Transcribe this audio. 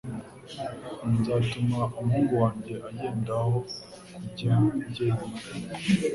Nzatuma umuhungu wanjye agenda aho kujya njyenyine.